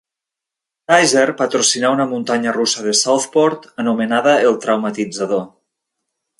Tizer patrocinà una muntanya russa de Southport anomenada el "Traumatitzador".